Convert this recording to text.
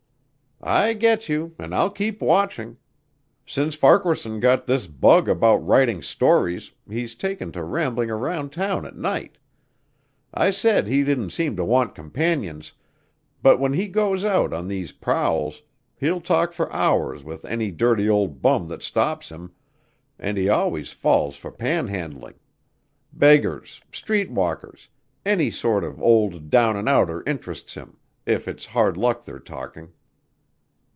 "I get you, and I'll keep watching. Since Farquaharson got this bug about writing stories he's taken to rambling around town at night. I said he didn't seem to want companions, but when he goes out on these prowls he'll talk for hours with any dirty old bum that stops him and he always falls for pan handling. Beggars, street walkers, any sort of old down and outer interests him, if it's hard luck they're talking."